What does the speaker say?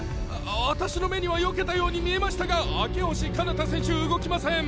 私の目にはよけたように見えましたが明星かなた選手動きません。